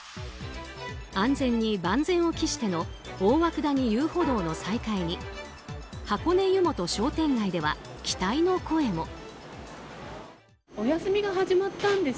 安全に万全を期しての大涌谷遊歩道の再開に箱根湯本商店街では期待の声も。